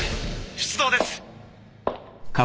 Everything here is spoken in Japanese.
出動です！